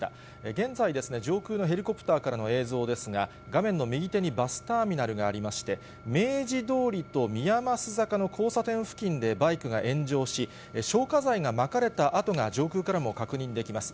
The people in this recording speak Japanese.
現在、上空のヘリコプターからの映像ですが、画面の右手にバスターミナルがありまして、明治通りとみやます坂の交差点付近でバイクが炎上し、消火剤がまかれた跡が上空からも確認できます。